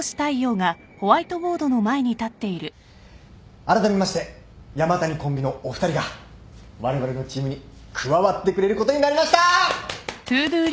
あらためまして山谷コンビのお二人がわれわれのチームに加わってくれることになりました！